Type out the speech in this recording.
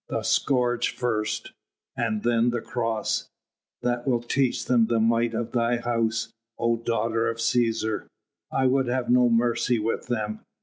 The scourge first ... and then the cross ... that will teach them the might of thy house, oh daughter of Cæsar.... I would have no mercy with them....